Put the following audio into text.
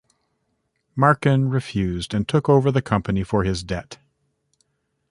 Markin refused and took over the company for his debt.